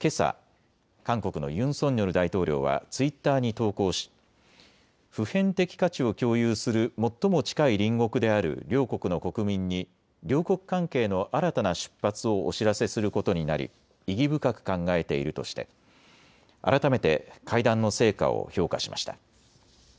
けさ韓国のユン・ソンニョル大統領はツイッターに投稿し普遍的価値を共有する最も近い隣国である両国の国民に両国関係の新たな出発をお知らせすることになり意義深く考えているとして改めて会談の成果を評価しました。